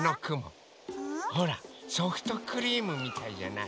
ほらソフトクリームみたいじゃない？